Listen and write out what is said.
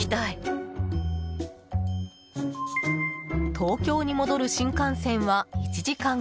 東京に戻る新幹線は１時間後。